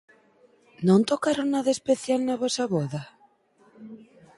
Non tocaron nada especial na vosa voda?